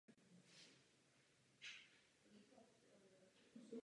Tato minisérie měla sedm nominací v hereckých kategoriích.